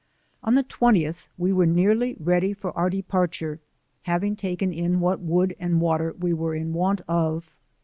On the 20th we were nearly ready for our depar ture, having taken in what wood and water we were in want of.